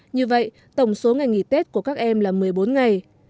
như vậy tổng số ngày nghỉ tết của các em là một mươi bốn ngày